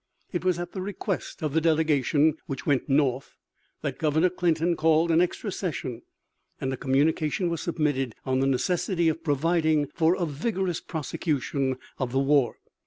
It was at the request of the delegation which went north that Governor Clinton called an extra session, and a communication was submitted on the necessity of providing for a vigorous prosecution of the war.